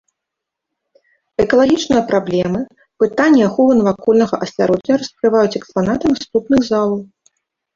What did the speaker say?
Экалагічныя праблемы, пытанні аховы навакольнага асяроддзя раскрываюць экспанаты наступных залаў.